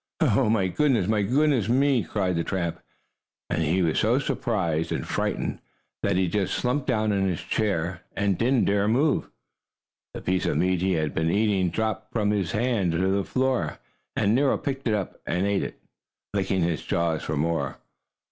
"Oh, my! Oh, my goodness me!" cried the tramp, and he was so surprised and frightened that he just slumped down in his chair and didn't dare move. The piece of meat he had been eating dropped from his hand to the floor, and Nero picked it up and ate it, licking his jaws for more.